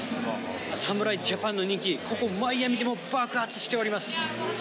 侍ジャパンの人気、ここ、マイアミでも爆発しております。